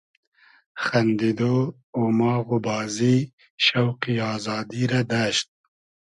خئندیدۉ , اوماغ و بازی , شۆقی آزادی رۂ دئشت